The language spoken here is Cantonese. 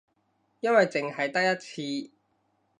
因為淨係得一次